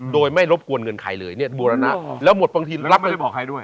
โดยไม่รบกวนเงินใครเลยเนี่ยบูรณะแล้วหมดบางทีรับไม่ได้บอกใครด้วย